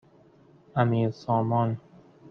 امیرسامان